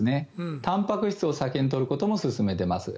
たんぱく質を先に取ることも勧めています。